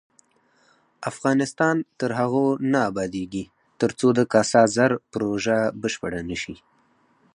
افغانستان تر هغو نه ابادیږي، ترڅو د کاسا زر پروژه بشپړه نشي.